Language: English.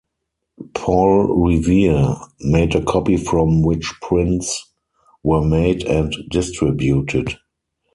Paul Revere made a copy from which prints were made and distributed.